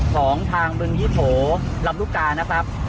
ของทางเมืองที่โถรรับลูกกานะครับ